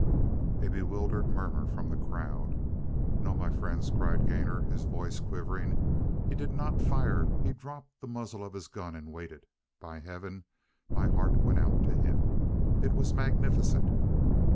A bewildered murmur from the crowd. "No, my friends," cried Gainor, his voice quivering, "he did not fire. He dropped the muzzle of his gun and waited. By heaven, my heart went out to him. It was magnificent."